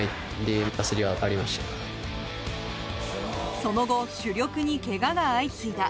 その後、主力にけがが相次いだ。